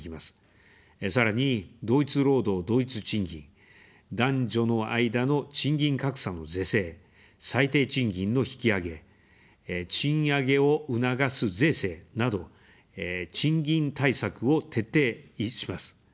さらに、同一労働同一賃金、男女の間の賃金格差の是正、最低賃金の引き上げ、賃上げを促す税制など賃金対策を徹底します。